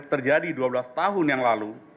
terjadi dua belas tahun yang lalu